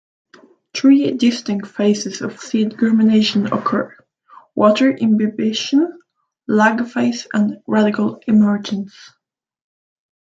Three distinct phases of seed germination occur: water imbibition; lag phase; and radicle emergence.